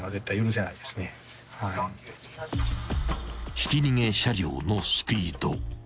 ［ひき逃げ車両のスピード］